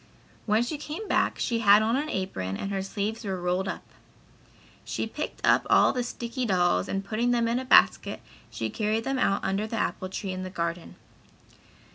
When she came back she had on an apron and her sleeves were rolled up. She picked up all the sticky dolls and putting them in a basket she carried them out under the apple tree in the garden.